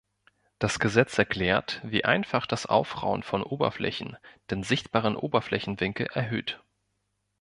Das Gesetz erklärt, wie einfach das Aufrauen von Oberflächen den sichtbaren Oberflächenwinkel erhöht.